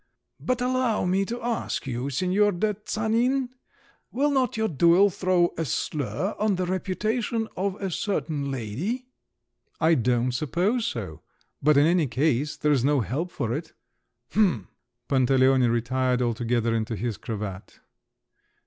"But allow me to ask you, Signor de Tsanin, will not your duel throw a slur on the reputation of a certain lady?" "I don't suppose so; but in any case, there's no help for it." "H'm!" Pantaleone retired altogether into his cravat.